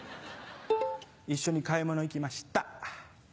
一緒に買い物行きました。